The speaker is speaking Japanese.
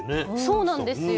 そうなんですよ。